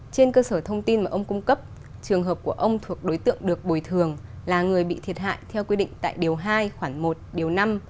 trên cơ sở thông tin mà ông cung cấp trường hợp của ông thuộc đối tượng được bồi thường là người bị thiệt hại theo quy định tại điều hai khoảng một điều năm